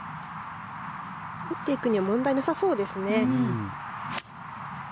打っていくには問題なさそうですね。